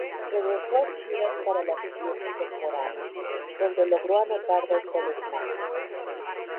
Regresó a Chivas para la siguiente temporada, donde logró anotar dos goles más.